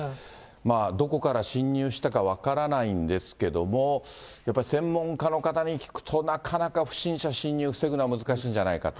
どこから侵入したか分からないんですけども、やっぱり専門家の方に聞くと、なかなか不審者、侵入を防ぐのは難しいんじゃないかと。